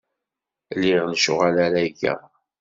Liɣ lecɣal ara geɣ.